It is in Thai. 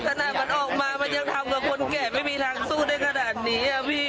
ขนาดมันออกมามันยังทำกับคนแก่ไม่มีทางสู้ได้ขนาดนี้พี่